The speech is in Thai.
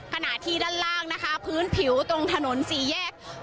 ขณะที่ด้านล่างนะคะพื้นผิวตรงถนนสี่แยก